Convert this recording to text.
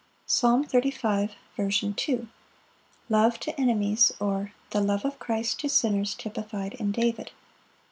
Psalm 35:2. 12 14. Second Part. Love to enemies; or, The love of Christ to sinners typified in David.